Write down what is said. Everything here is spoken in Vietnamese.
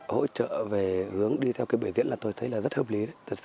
hỗ trợ về hướng đi theo cây bể diễn là tôi thấy là rất hợp lý